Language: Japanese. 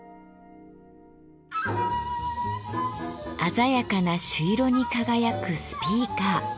鮮やかな朱色に輝くスピーカー。